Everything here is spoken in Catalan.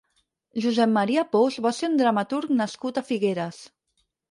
Josep Maria Pous va ser un dramaturg nascut a Figueres.